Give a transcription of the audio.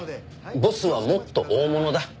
ボスはもっと大物だ。